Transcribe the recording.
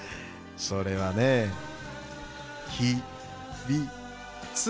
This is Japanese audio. それはねひみつ。